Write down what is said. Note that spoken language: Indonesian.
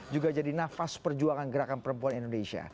juga jadi nafas perjuangan gerakan perempuan indonesia